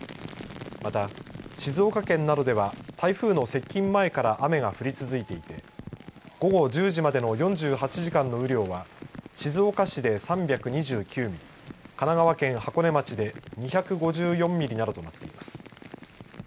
また、静岡県などでは台風の接近前から雨が降り続いていて午後１０時までの４８時間の雨量は静岡市で３２９ミリ神奈川県箱根町で２５４ミリなどとなっています。